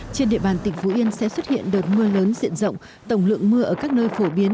trên địa bàn tỉnh phú yên sẽ xuất hiện đợt mưa lớn diện rộng tổng lượng mưa ở các nơi phổ biến